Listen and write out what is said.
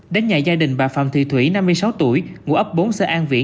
đến nhà gia đình bà phạm thị thủy năm mươi sáu tuổi ngụ ấp bốn xã an vĩ